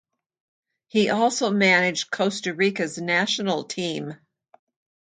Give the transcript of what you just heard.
He also managed Costa Rica's national team.